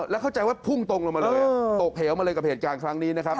แล้วเข้าใจว่าพุ่งตรงลงมาเลยตกเหวมาเลยกับเหตุการณ์ครั้งนี้นะครับ